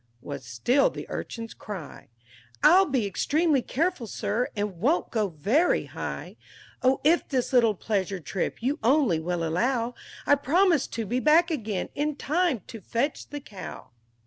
was still the urchin's cry; "I'll be extremely careful, sir, and won't go very high; Oh if this little pleasure trip you only will allow, I promise to be back again in time to fetch the cow!"